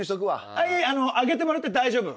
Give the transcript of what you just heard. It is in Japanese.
あっ上げてもらって大丈夫。